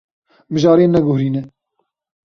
Mijarê neguherîne.